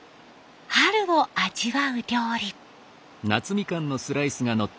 春を味わう料理。